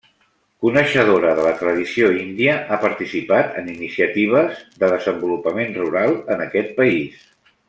Coneixedora de la tradició índia, ha participat en iniciatives de desenvolupament rural en aquest país.